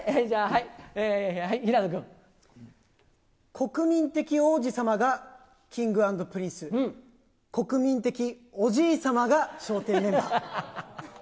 国民的王子様がＫｉｎｇ＆Ｐｒｉｎｃｅ、国民的おじい様が笑点メンバー。